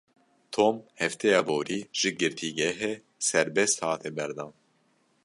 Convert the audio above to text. Tom hefteya borî ji girtîgehê serbest hate berdan.